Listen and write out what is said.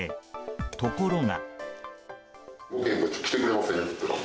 ところが。